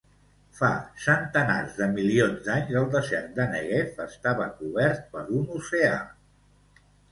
Fa centenars de milions d'anys, el desert de Negev estava cobert per un oceà.